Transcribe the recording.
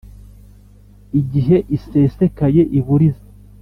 Igihe isesekaye i Buriza